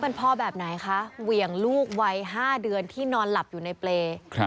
เป็นพ่ออันดับหนิคะเหวี่ยงลูกไว้ห้าเดือนที่นอนหลับอยู่ในเปรต